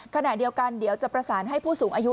ขณะเดียวกันเดี๋ยวจะประสานให้ผู้สูงอายุ